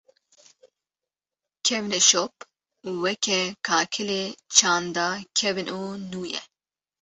Kevneşop, weke kakilê çanda kevn û nû ye